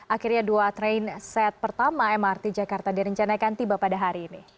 akhirnya dua train set pertama mrt jakarta direncanakan tiba pada hari ini